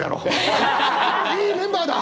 いいメンバーだ！